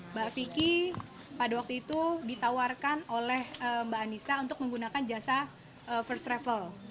mbak vicky pada waktu itu ditawarkan oleh mbak anissa untuk menggunakan jasa first travel